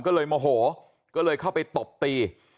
ก็เลยโมโหก็เลยเข้าไปตบตี